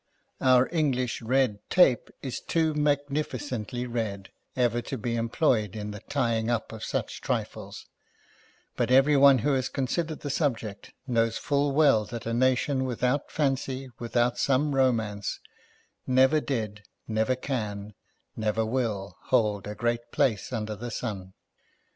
Our English red tape is too magnificently red ever to be em ployed in the tying up of such trifles, but every one who has considered the subject knows full well that a nation without fancy, without some romance, never did, never can, never will, hold a great place under the sun.